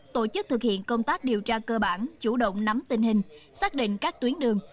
tổ chức thực hiện công tác điều tra cơ bản chủ động nắm tình hình xác định các tuyến đường